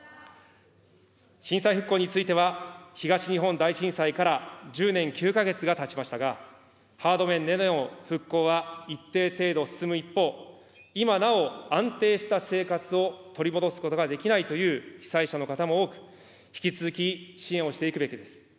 震災復興については、東日本大震災から１０年９か月がたちましたが、ハード面での復興は一定程度進む一方、今なお安定した生活を取り戻すことができないという被災者の方も多く、引き続き支援をしていくべきです。